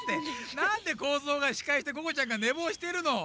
なんでコーゾーがしかいしてここちゃんがねぼうしてるの？